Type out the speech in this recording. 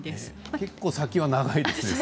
結構先が長いですね。